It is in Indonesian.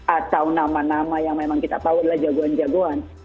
atau nama nama yang memang kita tahu adalah jagoan jagoan